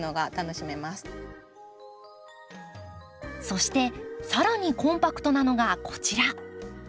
そして更にコンパクトなのがこちら。